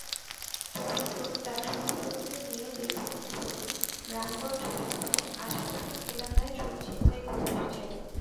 তৌহিদুর তাঁর সহযোগীদের নিয়ে দীর্ঘদিন ধরে রামগঞ্জসহ আশপাশের এলাকায় চুরি-ছিনতাই করে আসছেন।